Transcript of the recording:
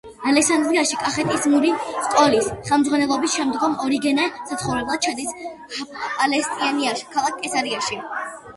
ალექსანდრიაში კატეხიზმური სკოლის ხელმძღვანელობის შემდგომ ორიგენე საცხოვრებლად ჩადის პალესტინაში, ქალაქ კესარიაში.